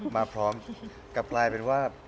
มาพร้อมกับกลายเป็นว่า